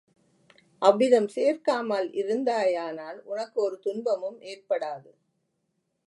அவ்விதம் சேர்க்காமல் இருந்தாயானால் உனக்கு ஒரு துன்பமும் ஏற்படாது.